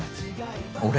俺？